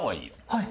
はい。